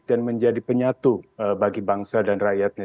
dan menjadi penyatu bagi bangsa dan rakyatnya